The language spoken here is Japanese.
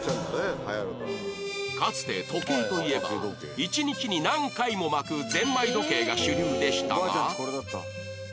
かつて時計といえば１日に何回も巻くゼンマイ時計が主流でしたが